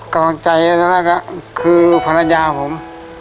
กำลังใจที่สุดคือภรรยาผม